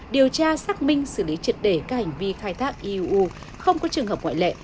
điều tra xác minh xử lý triệt đề các hành vi khai thác iuu không có trường hợp ngoại lệ